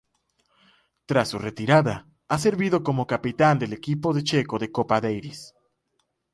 Tras su retirada ha servido como capitán del equipo checo de Copa Davis.